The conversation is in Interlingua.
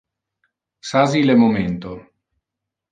Sasi le momento.